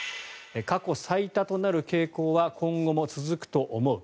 過去最多となる傾向も今後も続くと思う。